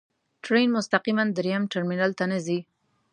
ټرین مستقیماً درېیم ټرمینل ته نه ځي.